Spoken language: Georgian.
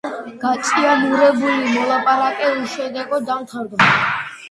გაჭიანურებული მოლაპარაკება უშედეგოდ დამთავრდა.